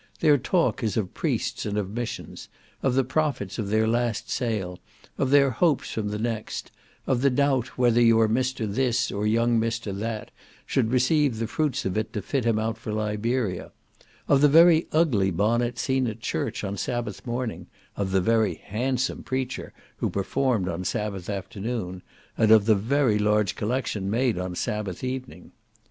Their talk is of priests and of missions; of the profits of their last sale, of their hopes from the next; of the doubt whether your Mr. This, or young Mr. That should receive the fruits of it to fit him out for Liberia; of the very ugly bonnet seen at church on Sabbath morning, of the very handsome preacher who performed on Sabbath afternoon, and of the very large collection made on Sabbath evening.